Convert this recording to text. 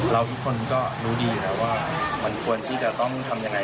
ทุกคนก็รู้ดีอยู่แล้วว่ามันควรที่จะต้องทำยังไง